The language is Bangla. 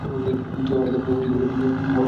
তুই আমার হাতে মরতে হাইদ্রাবাদ থেকে এসেছিস!